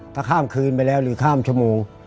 ถ้าข้ามคืนไปแล้วหรือข้ามชั่วโมง